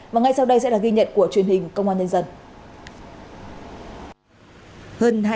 và ngay sau đây sẽ là ghi nhận của truyền hình công an nhân dân